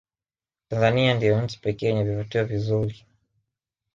tanzania ndiyo nchi pekee yenye vivutio vinzuri